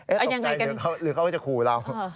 ตกใจหรือเขาจะขู่เรา